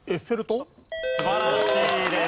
素晴らしいです。